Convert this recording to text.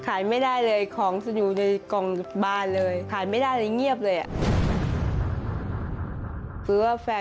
แล้วมีช่วงไหนที่เราขายพวกนี้ไม่ได้บ้างหรือครับ